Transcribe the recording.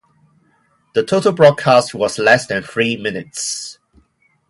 The total broadcast was less than three minutes.